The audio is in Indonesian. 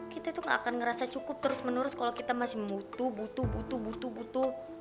kita tuh gak akan ngerasa cukup terus menerus kalau kita masih butuh butuh butuh butuh butuh